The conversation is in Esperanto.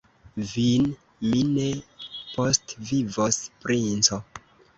Vin mi ne postvivos, princo!